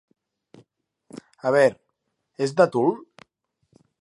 A ver, ¿es de tul?